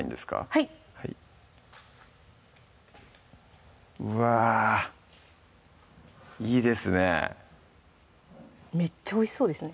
はいうわぁいいですねめっちゃおいしそうですね